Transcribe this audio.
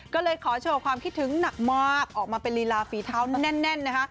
ก็เลยขอโชว์ความคิดถึงหนักมากออกมาเป็นลีลาฝีเท้าแน่นนะคะ